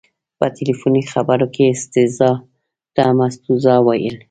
په تلیفوني خبرو کې یې استیضاح ته مستوزا وویل.